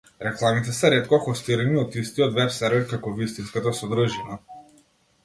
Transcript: Рекламите се ретко хостирани од истиот веб-сервер како вистинската содржина.